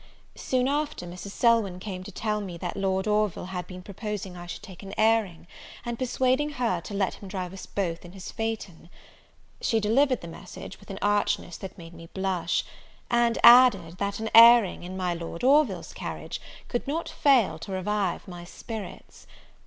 Soon after, Mrs. Selwyn came to tell me, that Lord Orville had been proposing I should take an airing, and persuading her to let him drive us both in his phaeton. She delivered the message with an archness that made me blush; and added, that an airing, in my Lord Orville's carriage, could not fail to revive my spirits.